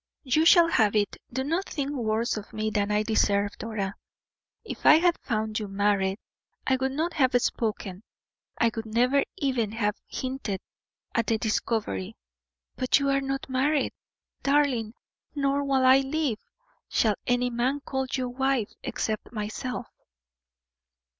"You shall have it. Do not think worse of me than I deserve, Dora. If I had found you married, I would not have spoken, I would never even have hinted at the discovery; but you are not married, darling, nor, while I live, shall any man call you wife except myself."